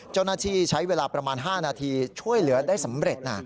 เจ้าหน้าที่ใช้เวลาประมาณ๕นาทีช่วยเหลือได้สำเร็จ